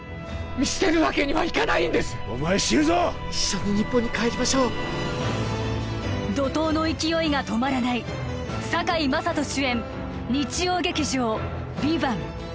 見捨てるわけにはいかないんですお前死ぬぞ一緒に日本に帰りましょう怒とうの勢いが止まらない堺雅人主演日曜劇場「ＶＩＶＡＮＴ」